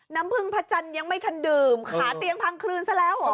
น้ำผึ้งผัสจำยังไม่ทันดื่มขาเตียงพังคลื่นซะแล้วหรอ